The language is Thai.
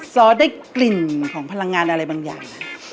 ซอสได้กลิ่นของพลังงานอะไรบางอย่าง